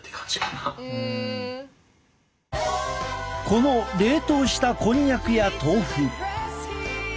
この冷凍したこんにゃくや豆腐。